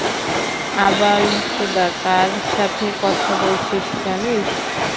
আবালচোদা, কার সাথে কথা বলছিস জানিস?